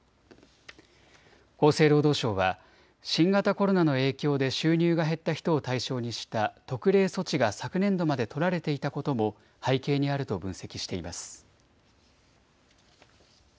厚生労働省は新型コロナの影響で収入が減った人を対象にした特例措置が昨年度まで取られていたことも背景にあると分析しています。